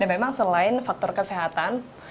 dan memang selain faktor kesehatan